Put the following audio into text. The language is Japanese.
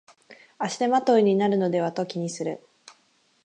足手まといになるのではと気にする